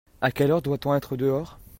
À quelle heure doit-on être dehors ?